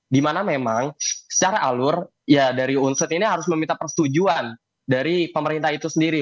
dimana memang secara alur ya dari unsur ini harus meminta persetujuan dari pemerintah itu sendiri